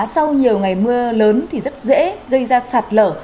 sau nhiều ngày mưa lớn thì rất dễ gây ra sạt lở